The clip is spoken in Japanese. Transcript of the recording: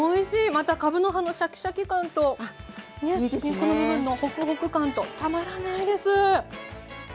またかぶの葉のシャキシャキ感と根っこの部分のホクホク感とたまらないです。